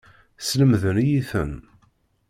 Slemden-iyi-ten.